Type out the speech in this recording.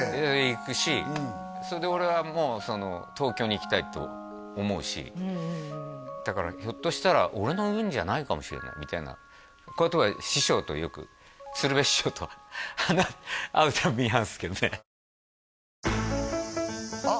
いくしそれで俺はもう東京に行きたいと思うしだからひょっとしたら俺の運じゃないかもしれないみたいなことは師匠とよく鶴瓶師匠と会う度に話すけどねあ！